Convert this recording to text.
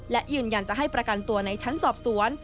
และยืนยันจะให้ประกันตัวในชั้นสอบสวน